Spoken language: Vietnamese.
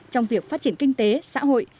trong việc phát triển kinh tế xã hội